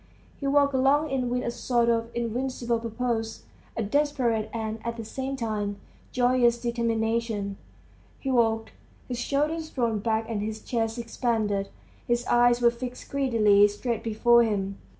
He walked along it with a sort of invincible purpose, a desperate and at the same time joyous determination. He walked, his shoulders thrown back and his chest expanded; his eyes were fixed greedily straight before him.